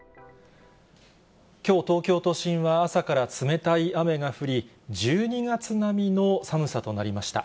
きょう、東京都心は朝から冷たい雨が降り、１２月並みの寒さとなりました。